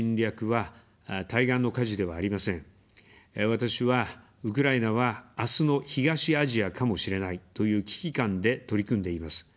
私は「ウクライナは、あすの東アジアかもしれない」という危機感で取り組んでいます。